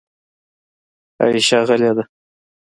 عایشه غلې ده .